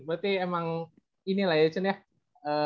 berarti emang ini lah ya chen ya